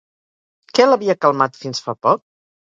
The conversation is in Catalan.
Què l'havia calmat fins fa poc?